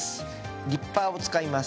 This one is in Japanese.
リッパーを使います。